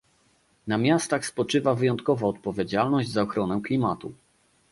Na miastach spoczywa wyjątkowa odpowiedzialność za ochronę klimatu